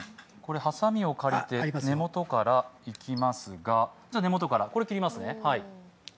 はさみを借りて、根元からいきますが、これ、切りますね。